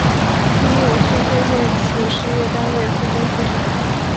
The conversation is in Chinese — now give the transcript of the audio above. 积极有序推进企事业单位复工复产